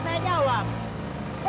apaan tadi jawabannya